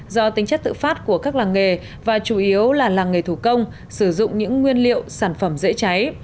do tính chất tự phát của các làng nghề và chủ yếu là làng nghề thủ công sử dụng những nguyên liệu sản phẩm dễ cháy